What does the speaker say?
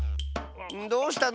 どうしたの？